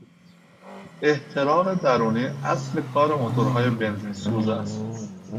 احتراق درونی اصل کار موتورهای بنزین سوز است.